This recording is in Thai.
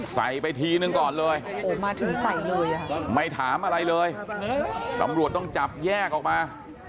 ใส่ไปทีนึงก่อนเลยมาถึงใส่เลยไม่ถามอะไรเลยตำรวจต้องจับแยกออกมา